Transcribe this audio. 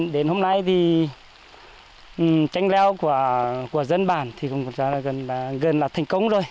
đến hôm nay thì tranh leo của dân bản thì gần là thành công rồi